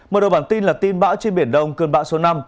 một đồ bản tin là tin bão trên biển đông cơn bão số năm